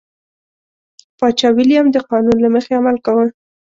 پاچا ویلیم د قانون له مخې عمل کاوه.